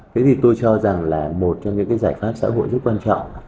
thế thì tôi cho rằng là một trong những cái giải pháp xã hội rất quan trọng